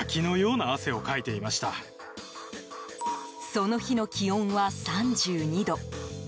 その日の気温は３２度。